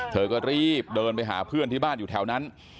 เธอก็รีบเดินไปหาเพื่อนที่บ้านอยู่แถวนั้น